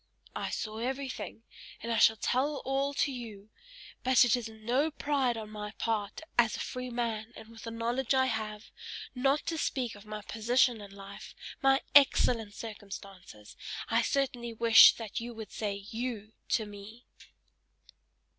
"I saw everything, and I shall tell all to you: but it is no pride on my part as a free man, and with the knowledge I have, not to speak of my position in life, my excellent circumstances I certainly wish that you would say YOU* to me!"